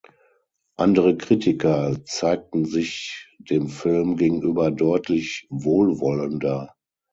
Andere Kritiker zeigten sich dem Film gegenüber deutlich wohlwollender.